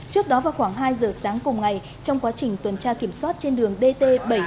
trước đó vào khoảng hai giờ sáng cùng ngày trong quá trình tuần tra kiểm soát trên đường dt bảy trăm bốn mươi